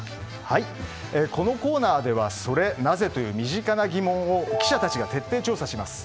このコーナーではソレなぜ？という身近な疑問を記者たちが徹底調査します。